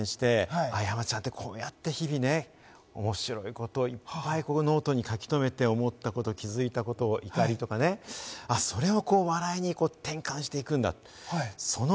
山ちゃんって、こうやって日々ね、面白いことをいっぱいノートに書き留めて、思ったこと、気づいたこと、怒りとかね、それを笑いに転換していくんだと。